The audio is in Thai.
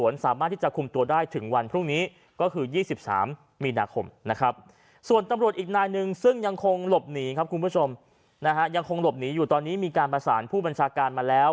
ยังคงหลบหนีอยู่ตอนนี้มีการประสานผู้บัญชาการมาแล้ว